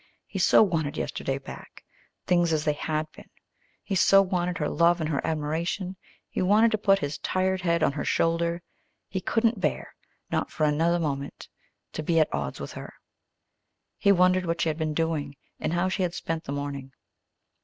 He so wanted yesterday back things as they had been. He so wanted her love and her admiration. He wanted to put his tired head on her shoulder. He couldn't bear, not for another moment, to be at odds with her. He wondered what she had been doing, and how she had spent the morning.